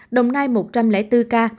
đồng nai một trăm linh bốn ca